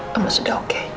mama sudah oke